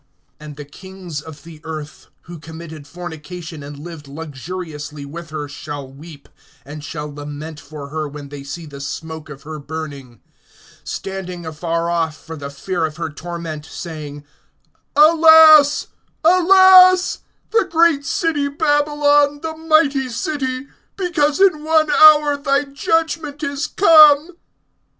(9)And the kings of the earth, who committed fornication and lived luxuriously with her, shall weep, and shall lament for her, when they see the smoke of her burning; (10)standing afar off for the fear of her torment, saying: Alas, alas, the great city Babylon, the mighty city! Because in one hour thy judgment is come.